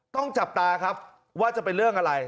จับตาครับว่าจะเป็นเรื่องอะไร